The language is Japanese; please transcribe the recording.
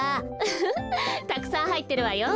ウフフたくさんはいってるわよ。